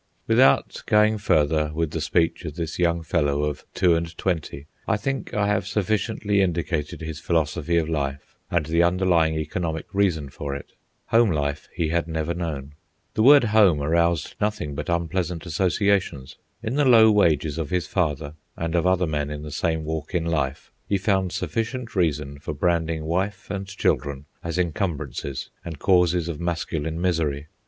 Without going further with the speech of this young fellow of two and twenty, I think I have sufficiently indicated his philosophy of life and the underlying economic reason for it. Home life he had never known. The word "home" aroused nothing but unpleasant associations. In the low wages of his father, and of other men in the same walk in life, he found sufficient reason for branding wife and children as encumbrances and causes of masculine misery.